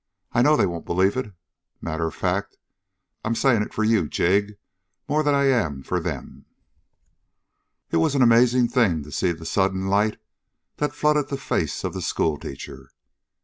I know they won't believe it. Matter of fact I'm saying it for you, Jig, more'n I am for them!" It was an amazing thing to see the sudden light that flooded the face of the schoolteacher.